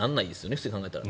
普通に考えたら。